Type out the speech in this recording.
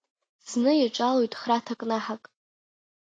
Зны иаҿалоит хра ҭакнаҳак.